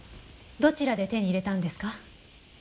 どちらで手に入れたんですか？